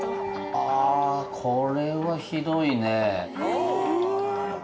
あこれはひどいね。